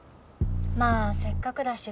まあせっかくだし